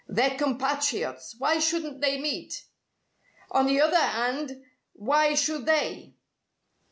"They're compatriots. Why shouldn't they meet?" "On the other 'and, w'y should they?"